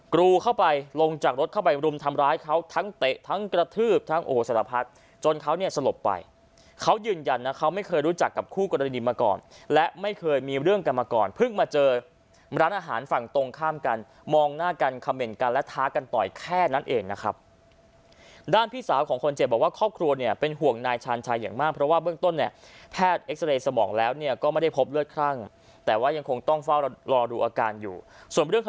กรูเข้าไปลงจากรถเข้าไปรุมทำร้ายเขาทั้งเตะทั้งกระทืบทั้งโอโหสารพัดจนเขาเนี่ยสลบไปเขายืนยันนะเขาไม่เคยรู้จักกับคู่กรณีดินมาก่อนและไม่เคยมีเรื่องกันมาก่อนเพิ่งมาเจอร้านอาหารฝั่งตรงข้ามกันมองหน้ากันคำเหม็นกันและท้ากันต่อยแค่นั้นเองนะครับด้านพี่สาวของคนเจ็บบอกว่าครอบครัวเนี่ยเป็นห